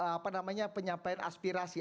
apa namanya penyampaian aspirasi